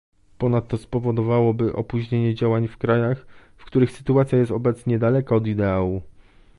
Ponadto spowodowałaby opóźnienie działań w krajach, w których sytuacja jest obecnie daleka od ideału